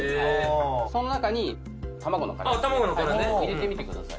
その中に卵の殻ですね入れてみてください